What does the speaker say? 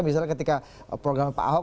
misalnya ketika program pak ahok